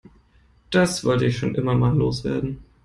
Das wollte ich schon immer mal loswerden.